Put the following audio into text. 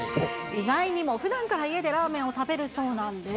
意外にもふだんから家でラーメンを食べるそうなんです。